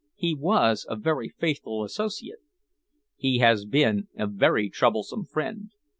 "He was a very faithful associate." "He has been a very troublesome friend.